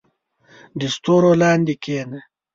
• د ستورو لاندې کښېنه.